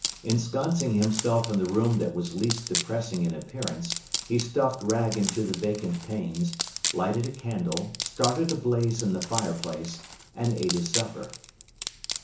Ensconcing himself in the room that was least depressing in appearance he stuffed rags into the vacant panes, lighted a candle, started a blaze in the fireplace, and ate his supper.